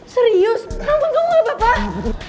serius nampaknya gak apa apa